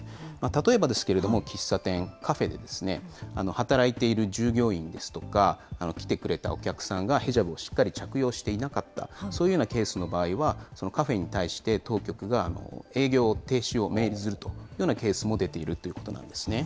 例えばですけれども、喫茶店、カフェで働いている従業員ですとか、来てくれたお客さんがヘジャブをしっかり着用していなかった、そういうようなケースの場合は、カフェに対して当局が営業停止を命ずるというようなケースも出ているということなんですね。